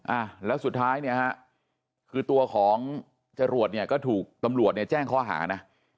อ่ะแล้วสุดท้ายเนี่ยฮะคือตัวของจรวดเนี่ยก็ถูกตำรวจเนี่ยแจ้งข้อหานะ